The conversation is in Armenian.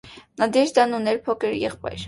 Նադեժդան ուներ փոքր եղբայր։